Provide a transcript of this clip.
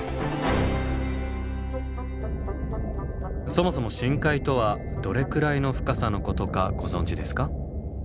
そもそも深海とはどれくらいの深さのことかご存じですか？